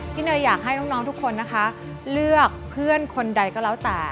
เนยอยากให้น้องทุกคนนะคะเลือกเพื่อนคนใดก็แล้วแต่